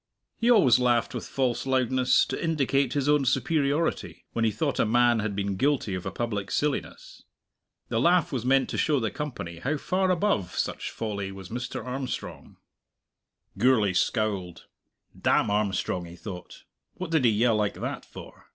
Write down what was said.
He always laughed with false loudness, to indicate his own superiority, when he thought a man had been guilty of a public silliness. The laugh was meant to show the company how far above such folly was Mr. Armstrong. Gourlay scowled. "Damn Armstrong!" he thought, "what did he yell like that for?